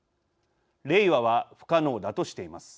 れいわは不可能だとしています。